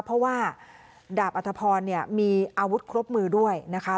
เพราะว่าดาบอัธพรมีอาวุธครบมือด้วยนะคะ